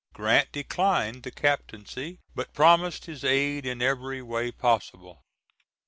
Grant declined the captaincy but promised his aid in every way possible.